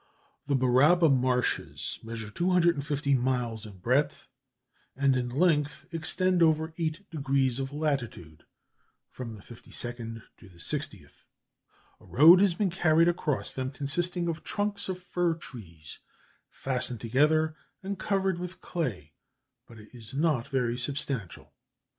The Baraba marshes measure 250 miles in breadth, and in length extend over eight degrees of latitude (from the 52nd to the 60th); a road has been carried across them, consisting of trunks of fir trees fastened together and covered with clay, but it is not very substantial.